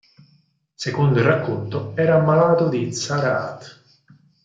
Secondo il racconto, era ammalato di tzaraath.